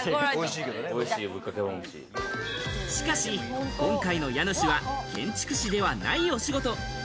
しかし今回の家主は建築士ではないお仕事。